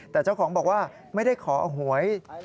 แต่เจ้าของบอกว่าไม่ได้ขอหวย